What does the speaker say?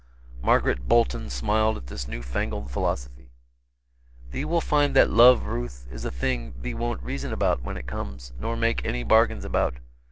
Margaret Bolton smiled at this new fangled philosophy. "Thee will find that love, Ruth, is a thing thee won't reason about, when it comes, nor make any bargains about.